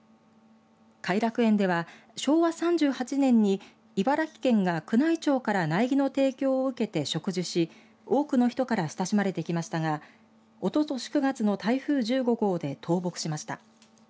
偕楽園では、昭和３８年に茨城県が宮内庁から苗木の提供を受けて植樹し多くの人から親しまれてきましたがおととし９月の台風１５号で倒木しました。